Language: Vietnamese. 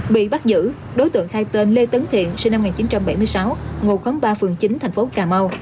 bị bắt giữ đối tượng khai tên lê tấn thiện sinh năm một nghìn chín trăm bảy mươi sáu ngụ khóm ba phường chín thành phố cà mau